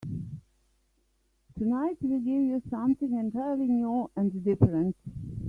Tonight we give you something entirely new and different.